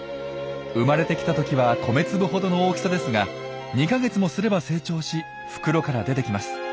生まれてきた時は米粒ほどの大きさですが２か月もすれば成長し袋から出てきます。